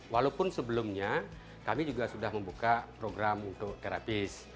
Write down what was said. walaupun sebelumnya kami juga sudah membuka program untuk terapis